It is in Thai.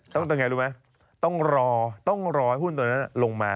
ต้องรอต้องรอหุ้นตัวนั้นลงมา